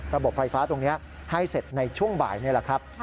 ระบบไฟฟ้าตรงนี้ให้เสร็จในช่วงบ่ายนี่แหละครับ